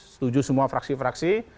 setuju semua fraksi fraksi